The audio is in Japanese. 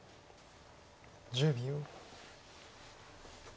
１０秒。